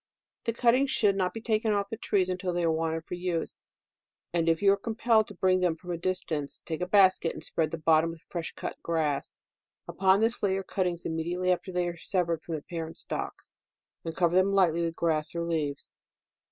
The cuttings should not be taken off the trees until they are wanted for use; and if you are compelled to bring them from a dis tance, take a basket and spread the bottom with fresh cut grass, upon this lay your cut tings immediately after they are severed from the parent stocks, and cover them lightly with grass or leaves.